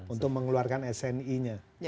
untuk mengeluarkan sni nya